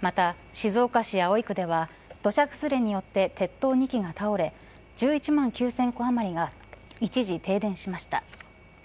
また、静岡県葵区では土砂崩れによって鉄塔２基が倒れ１１万９０００戸余りが一時停電しました。